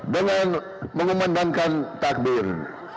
dengan mengumandankan takbir